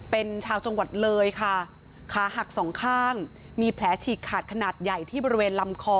เป็นชาวจังหวัดเลยค่ะขาหักสองข้างมีแผลฉีกขาดขนาดใหญ่ที่บริเวณลำคอ